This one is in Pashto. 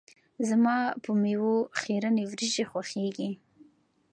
زما په میو خیرنې وريژې خوښیږي.